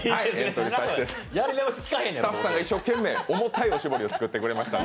スタッフさんが一生懸命重たいおしぼりを作ってくれました。